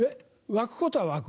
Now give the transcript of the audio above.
湧くことは湧く。